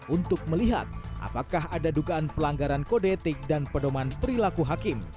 untuk melihat apakah ada dugaan pelanggaran kode etik dan pedoman perilaku hakim